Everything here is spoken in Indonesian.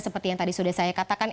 seperti yang tadi sudah saya katakan